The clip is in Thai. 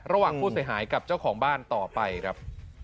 ระหว่างผู้เสียหายกับเจ้าของบ้านต่อไปครับ